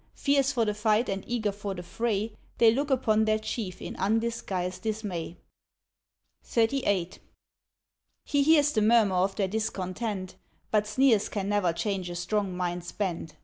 Fierce for the fight and eager for the fray They look upon their Chief in undisguised dismay. XXXIX. He hears the murmur of their discontent, But sneers can never change a strong mind's bent.